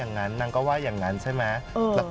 นางก็ว่าอย่างนั้นใช่ไหม